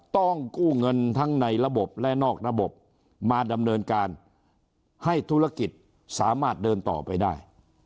ต้องกู้เงินทั้งในระบบและนอกระบบมาดำเนินการให้ธุรกิจสามารถเดินต่อไปได้